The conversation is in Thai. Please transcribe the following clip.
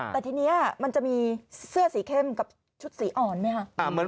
แต่ทีนี้มันจะมีเสื้อสีเข้มกับชุดสีอ่อนไหมคะ